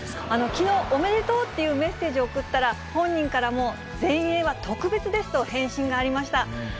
きのう、おめでとうっていうメッセージを送ったら、本人からも、全英は特別ですと返信がありました。